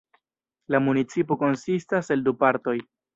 La municipo konsistas el du partoj.